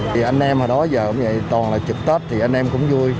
thì anh em hồi đó giờ cũng vậy toàn là chụp tết thì anh em cũng vui